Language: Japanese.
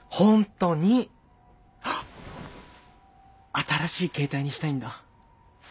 新しい携帯にしたいんだ。